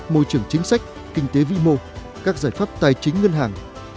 môi trường chính sách kinh tế vĩ mô các giải pháp tài chính ngân hàng